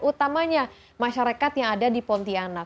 utamanya masyarakat yang ada di pontianak